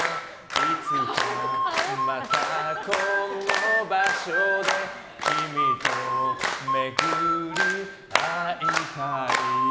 いつかまたこの場所で君と巡り合いたい。